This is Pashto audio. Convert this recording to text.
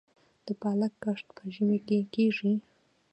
د پالک کښت په ژمي کې کیږي؟